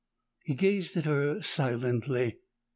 He gazed at her silently.